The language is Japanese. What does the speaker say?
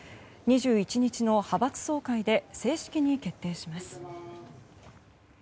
２１日の派閥総会で正式に決定します。